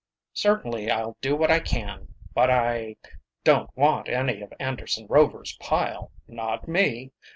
"Certainly, I'll do what I can. But I don't want any of Anderson Rover's pile not me.